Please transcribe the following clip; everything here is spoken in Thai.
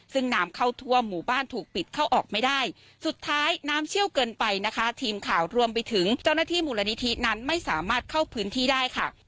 ซึ่งน้ำเข้าทั่วหมู่บ้านถูกปิดเข้าออกไม่ได้สุดท้ายน้ำเชี่ยวเกินไปนะคะทีมข่าวรวมไปถึงเจ้าหน้าที่มูลนิธินั้นไม่สามารถเข้าพื้นที่ได้ค่ะ